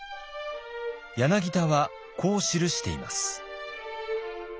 柳田はこう記しています。